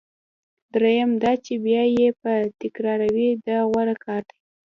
دریم دا چې بیا یې مه تکراروئ دا غوره کار دی.